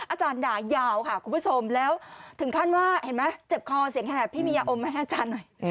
อาจารย์ด่ายาวค่ะคุณผู้ชมแล้วถึงขั้นว่าเห็นไหมเจ็บคอเสียงแหบพี่มียาอมมาให้อาจารย์หน่อย